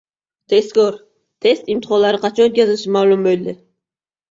Tezkor: test imtihonlari qachon o‘tkazilishi ma’lum bo‘ldi